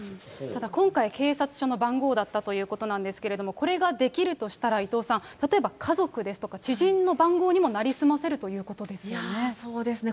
ただ今回、警察署の番号だったということなんですけれども、これができるとしたら、伊藤さん、例えば家族ですとか、知人の番号にも成り済ませるということですいや、そうですね。